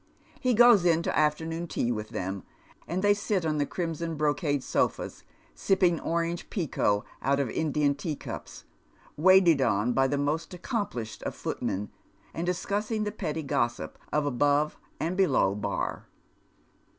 He goes in to afternoon tea with them, and they sit on the crimson brocade sofas sipping orange pekoe out of Indian tea cups, waited on by the most accomplished of footmen, and discussing the petty gossip of Above and Below Bar.